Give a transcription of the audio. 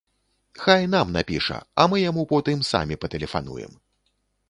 Хай нам напіша, а мы яму потым самі патэлефануем.